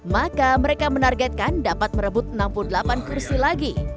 maka mereka menargetkan dapat merebut enam puluh delapan kursi lagi